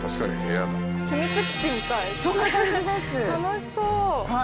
楽しそう！